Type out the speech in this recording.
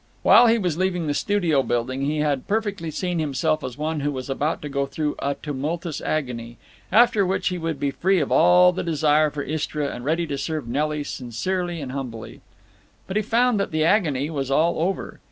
While he was leaving the studio building he had perfectly seen himself as one who was about to go through a tumultuous agony, after which he would be free of all the desire for Istra and ready to serve Nelly sincerely and humbly. But he found that the agony was all over.